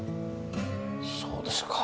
そうですか。